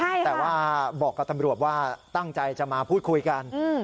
แต่ว่าบอกกับตำรวจว่าตั้งใจจะมาพูดคุยกัน